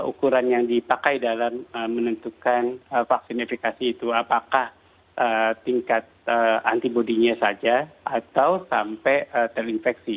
ukuran yang dipakai dalam menentukan vaksinifikasi itu apakah tingkat antibody nya saja atau sampai terinfeksi